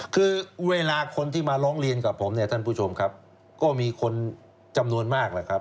คือเวลาคนที่มาร้องเรียนกับผมเนี่ยท่านผู้ชมครับก็มีคนจำนวนมากแหละครับ